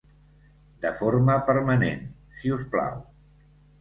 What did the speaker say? De forma permanent, si us plau.